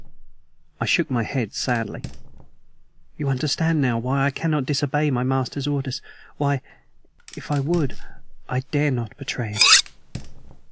I shook my head sadly. "You understand now why I cannot disobey my master's orders why, if I would, I dare not betray him."